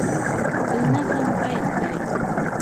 د نظم بیت دی